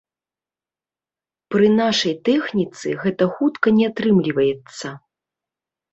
Пры нашай тэхніцы гэта хутка не атрымліваецца.